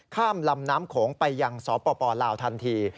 ข้ามลำน้ำโขงไปยังสปลาวทันที